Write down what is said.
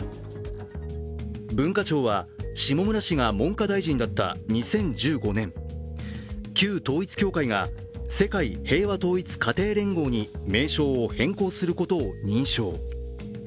文化庁は下村氏が文科大臣だった２０１５年、旧統一教会が世界平和統一家庭連合に名称を変更することを認証。